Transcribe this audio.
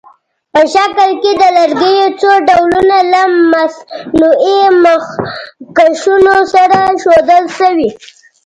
په شکل کې د لرګیو څو ډولونه له مصنوعي مخکشونو سره ښودل شوي.